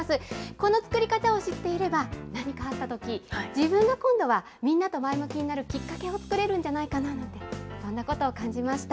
この作り方を知っていれば、何かあったとき、自分が今度はみんなと前向きになるきっかけを作れるんじゃないかな、そんなことを感じました。